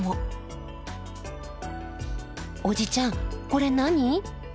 おじちゃんこれ何？